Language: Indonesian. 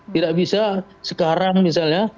tidak bisa sekarang misalnya